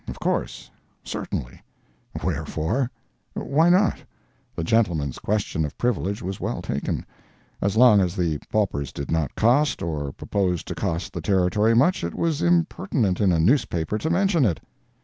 Of course. Certainly. Wherefore? Why not? The gentleman's question of privilege was well taken. As long as the paupers did not cost, or propose to cost the Territory much, it was impertinent in a newspaper to mention it.